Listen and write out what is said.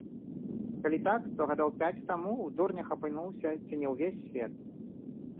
Калі так, то гадоў пяць таму ў дурнях апынуўся ці не ўвесь свет.